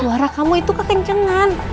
suara kamu itu kekencengan